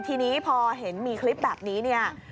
ทีนี้พอเห็นมีคลิปแบบนี้